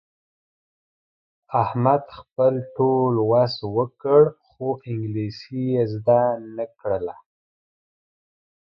احمد خپل ټول وس وکړ، خو انګلیسي یې زده نه کړله.